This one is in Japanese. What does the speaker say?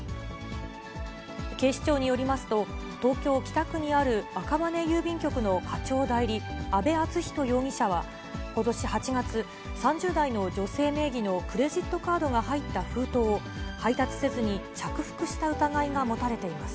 警視庁によりますと、東京・北区にある赤羽郵便局の課長代理、阿部淳一容疑者はことし８月、３０代の女性名義のクレジットカードが入った封筒を配達せずに、着服した疑いが持たれています。